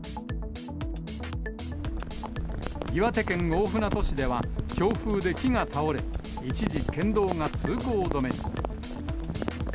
岩手県大船渡市では、強風で木が倒れ、一時県道が通行止めに。